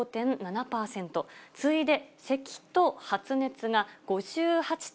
次いでせきと発熱が５８．３％。